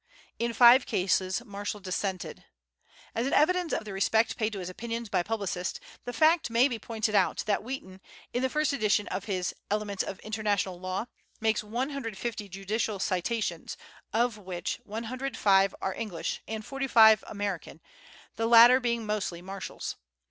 In five cases Marshall dissented. As an evidence of the respect paid to his opinions by publicists, the fact may be pointed out that Wheaton, in the first edition of his "Elements of International Law," makes 150 judicial citations, of which 105 are English and 45 American, the latter being mostly Marshall's.